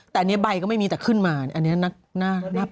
แต่อันนี้ใบก็ไม่มีแต่ขึ้นมาอันนี้น่านับ